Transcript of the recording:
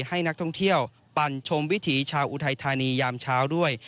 ให้นักท่องเที่ยวปั่นชมวิถีชาวอุทัยธานียามเช้าด้วย